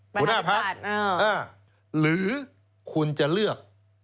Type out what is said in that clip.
หัวหน้าพักหรือคุณจะเลือก